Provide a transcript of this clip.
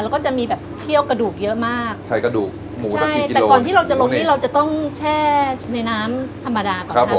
แล้วก็จะมีแบบเคี่ยวกระดูกเยอะมากใส่กระดูกหมูใช่แต่ก่อนที่เราจะลงนี่เราจะต้องแช่ในน้ำธรรมดาก่อนครับ